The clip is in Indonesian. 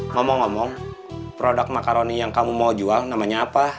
ngomong ngomong produk makaroni yang kamu mau jual namanya apa